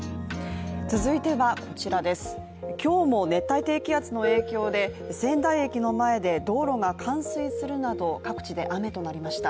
続いてはこちら、今日も熱帯低気圧の影響で仙台駅の前で道路が冠水するなど各地で雨となりました。